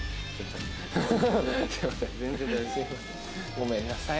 ごめんなさい。